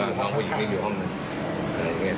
คือห้องผู้หญิงนี้อยู่ห้องหนึ่ง